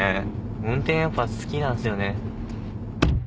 運転やっぱ好きなんですよね。